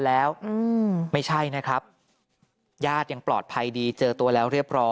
หลังจากพบศพผู้หญิงปริศนาตายตรงนี้ครับ